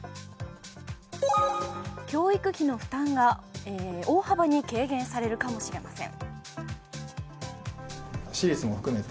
教育費の負担が、大幅に軽減されるかもしれません。